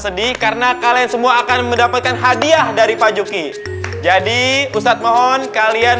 sedih karena kalian semua akan mendapatkan hadiah dari pak juki jadi ustadz mohon kalian